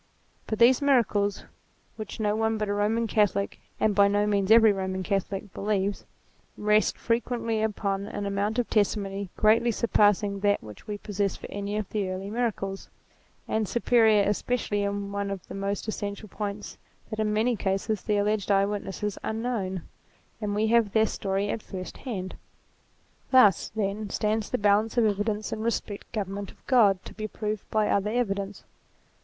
But these miracles which no one but aEoman Catholic, and by no means every Eoman Catholic believes, rest frequently upon an amount of testimony greatly surpassing that which we possess for any of the early miracles ; and superior especially in one of the most essential points, that in many cases the alleged eye witnesses are known, and we have their story at first hand. Thus, then, stands the balance of evidence in respect to the reality of miracles, assuming the existence and REVELATION 239 government of God to be proved by other evidence.